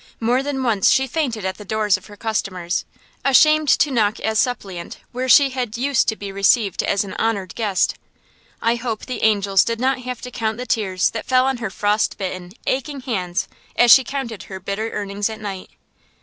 More than once she fainted at the doors of her customers, ashamed to knock as suppliant where she had used to be received as an honored guest. I hope the angels did not have to count the tears that fell on her frost bitten, aching hands as she counted her bitter earnings at night.